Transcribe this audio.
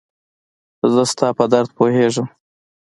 زه ستا په درد پوهيږم